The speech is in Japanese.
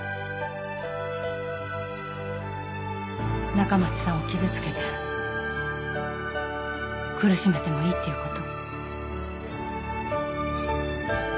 仲町さんを傷つけて苦しめてもいいっていうこと？